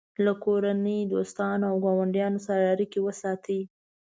له کورنۍ، دوستانو او ګاونډیانو سره اړیکې وساتئ.